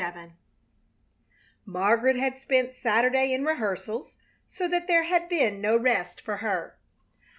CHAPTER XXVII Margaret had spent Saturday in rehearsals, so that there had been no rest for her.